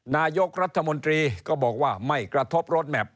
นายกรัฐมนตรีก็บอกว่าไม่กระทบรถแมพ